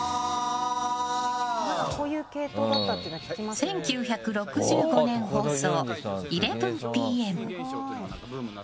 １９６５年放送、「１１ＰＭ」。